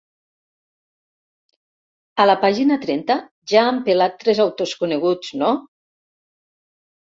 A la pàgina trenta ja han pelat tres autors coneguts, no?